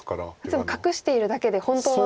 いつも隠しているだけで本当はもう。